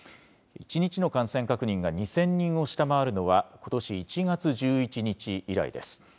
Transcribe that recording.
１日の感染確認が２０００人を下回るのはことし１月１１日以来です。